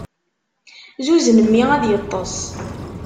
Zuzen mmi ad yeṭṭes.